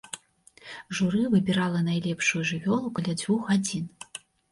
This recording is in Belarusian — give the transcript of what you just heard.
Журы выбірала найлепшую жывёлу каля дзвюх гадзін.